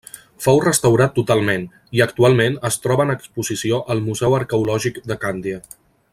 Fou restaurat totalment i actualment es troba en exposició al Museu Arqueològic de Càndia.